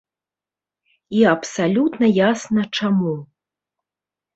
І абсалютна ясна чаму.